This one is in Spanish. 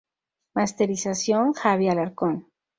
Masterización: Xavi Alarcón.